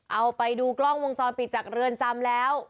เอาไปดูกล้องวงจรปิดจากเรือนจำแล้ว